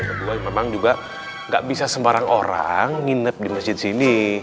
kedua memang juga gak bisa sembarang orang nginep di masjid sini